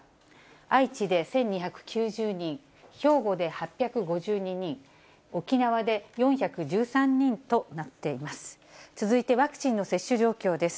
愛知で１２９０人、兵庫で８５２人、沖縄で４１３人となっています。